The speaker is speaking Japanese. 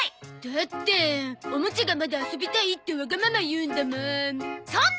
だっておもちゃがまだ遊びたいってわがまま言うんだもん。